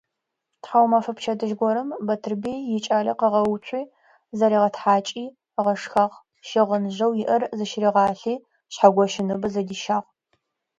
Тхьаумэфэ пчэдыжь горэм Батырбый икӀалэ къыгъэуцуи зыригъэтхьакӀыгъ, ыгъэшхагъ, щыгъыныжъэу иӀэр зыщыригъалъи, Шъхьэгощэ ныбэ зыдищагъ.